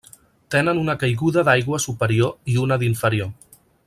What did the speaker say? Tenen una caiguda d'aigua superior i una d'inferior.